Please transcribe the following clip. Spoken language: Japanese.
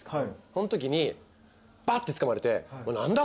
そんときにバッてつかまれて。